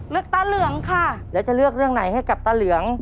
ตาเหลืองค่ะแล้วจะเลือกเรื่องไหนให้กับตาเหลือง